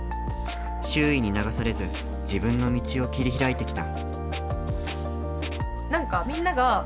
周囲に流されず自分の道を切り開いてきた。